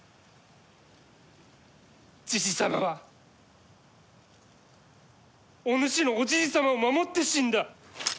じじ様はお主のおじい様を守って死んだ。